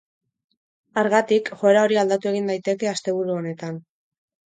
Hargatik, joera hori aldatu egin daiteke asteburu honetan.